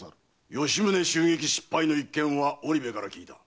吉宗襲撃失敗の一件は織部から聞いた。